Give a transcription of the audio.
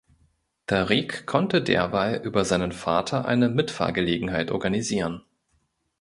Tariq konnte derweil über seinen Vater eine Mitfahrgelegenheit organisieren.